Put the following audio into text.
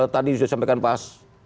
tadi sudah saya sampaikan pas